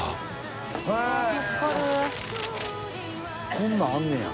こんなんあんねや。